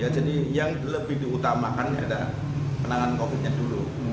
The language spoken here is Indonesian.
yang lebih diutamakan adalah penanganan covid nya dulu